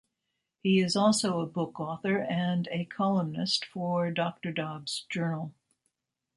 He is also a book author and a columnist for Doctor Dobb's Journal.